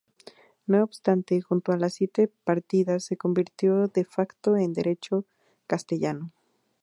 No obstante, junto a las Siete Partidas, se convirtió "de facto" en derecho castellano.